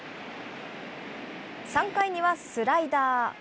３回にはスライダー。